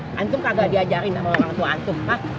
eh antum kagak diajarin sama orang tua antum ha